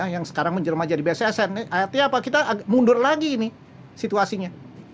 yang sekarang menjelma jadi bssn artinya apa kita mundur lagi ini situasinya